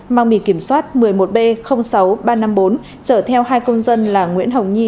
mang mì kiểm soát một mươi một b sáu nghìn ba trăm năm mươi bốn trở theo hai công dân là nguyễn hồng nhi